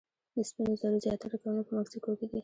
د سپینو زرو زیاتره کانونه په مکسیکو کې دي.